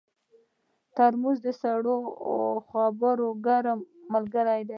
ترموز د سړو خبرو ګرم ملګری دی.